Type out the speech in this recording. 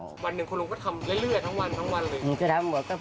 วันหนึ่งคุณลุงก็ทำเรื่อยทั้งวันทั้งวันเลย